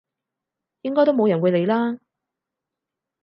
應該都冇人會理啦！